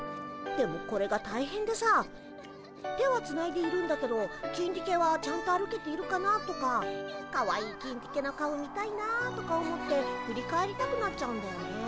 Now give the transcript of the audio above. でもこれが大変でさ手はつないでいるんだけどキンディケはちゃんと歩けているかな？とかかわいいキンディケの顔見たいなとか思って振り返りたくなっちゃうんだよね。